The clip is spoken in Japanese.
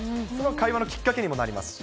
会話のきっかけにもなりますし。